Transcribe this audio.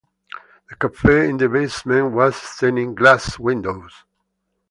The cafe in the basement has stained glass windows.